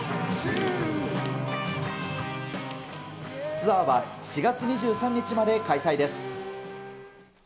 ツアーは４月２３日まで開催です。